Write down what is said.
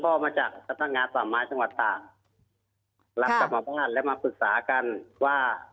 พ่อมาจากสรรค์ตั้งงานฝ่าม้ายสหรัฐต่างรับกลับมาบ้านและมาปรึกษากันว่า